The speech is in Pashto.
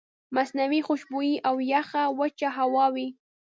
مصنوعي خوشبويئ او يخه وچه هوا وي